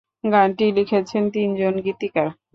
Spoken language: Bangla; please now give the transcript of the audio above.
গানটি লিখেছেন তিনজন গীতিকার।